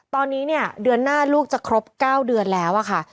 ตอนนี้เนี่ยเดือนหน้าลูกจะครบ๙เดือนแล้วอะค่ะ